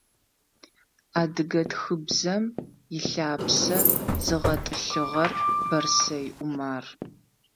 Адыгэ тхыбзэм ылъапсэ зыгъэтӏылъыгъэр Бэрсэй Умар.